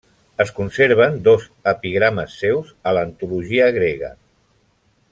Es conserven dos epigrames seus a l'antologia grega.